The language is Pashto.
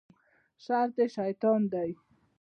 شر د شیطان دی